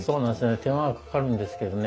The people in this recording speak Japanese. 手間がかかるんですけどね